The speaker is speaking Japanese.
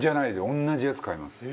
同じやつ買います。